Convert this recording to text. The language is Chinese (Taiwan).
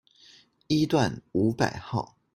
一段五百號